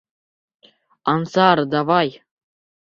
Ансар, давай!